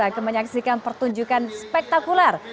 akan menyaksikan pertunjukan spektakuler